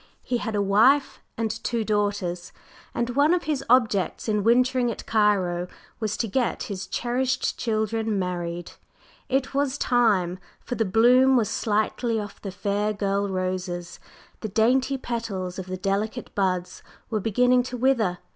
He had a wife and two daughters, and one of his objects in wintering at Cairo was to get his cherished children married. It was time, for the bloom was slightly off the fair girl roses, the dainty petals of the delicate buds were beginning to wither.